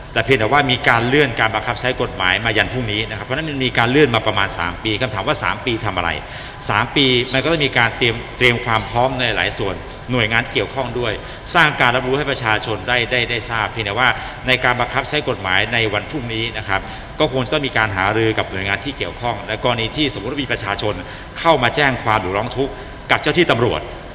แต่เพียงแต่ว่ามีการเลื่อนการบัคคับใช้กฎหมายมาอย่างพรุ่งนี้นะครับเพราะฉะนั้นมันมีการเลื่อนมาประมาณสามปีคำถามว่าสามปีทำอะไรสามปีมันก็ต้องมีการเตรียมเตรียมความพร้อมในหลายส่วนหน่วยงานเกี่ยวข้องด้วยสร้างการรับรู้ให้ประชาชนได้ได้ได้ทราบเพียงแต่ว่าในการบัคคับใช้กฎหมายในวันพรุ่งนี้นะคร